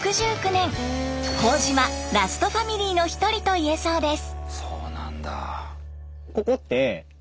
朴島ラストファミリーの一人といえそうです。